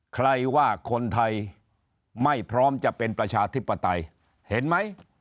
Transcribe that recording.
ใครว่าคนไทยไม่พร้อมจะเป็นประชาธิปไตยเห็นไหม